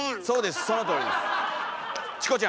そうですそのとおりです。